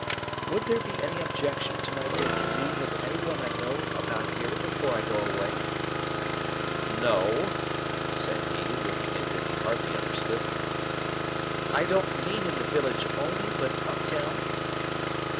Would there be any objection to my taking leave of any one I know, about here, before I go away?" "No," said he, looking as if he hardly understood me. "I don't mean in the village only, but up town?"